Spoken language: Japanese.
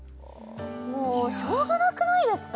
もうしょうがなくないですか？